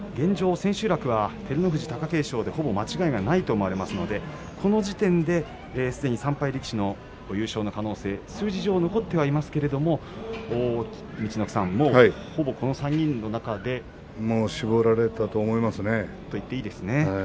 千秋楽は照ノ富士、貴景勝でほぼ間違いがないと思われますのでこの時点ですでに３敗力士の優勝の可能性数字上、残ってはいますけれども陸奥さん、もう絞られたと思いますね。